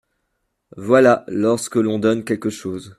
Voilà lorsque l’on donne quelque chose.